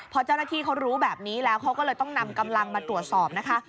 พอเจ้าหน้าที่เขารู้แบบนี้แล้วเขาก็เลยต้องนำกำลังมาตรวจสอบนะคะ